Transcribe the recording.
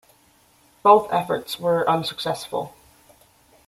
Both efforts were unsuccessful.